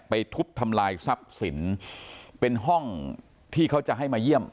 ทุบทำลายทรัพย์สินเป็นห้องที่เขาจะให้มาเยี่ยม